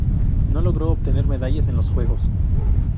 No logró obtener medallas en los juegos.